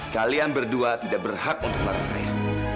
kalian berdua tidak berhak untuk makan saya